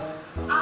「あ」